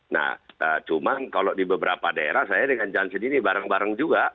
nah cuma kalau di beberapa daerah saya dengan jansen ini bareng bareng juga